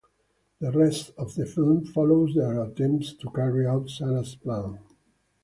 The rest of the film follows their attempt to carry out Sara's plan.